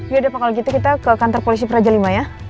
yaudah pak kalau gitu kita ke kantor polisi praja v ya